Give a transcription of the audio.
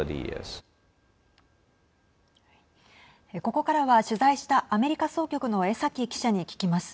ここからは取材したアメリカ総局の江崎記者に聞きます。